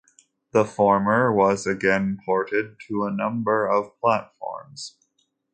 The former was again ported to a number of platforms.